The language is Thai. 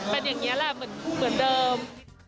เป็นอย่างนี้แหละเหมือนเดิม